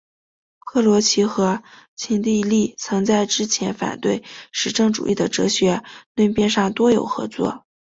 克罗齐和秦梯利曾在之前反对实证主义的哲学论辩上多有合作。